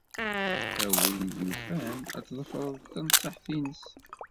A win yufan ad tḍefreḍ tanṣiḥt-nnes.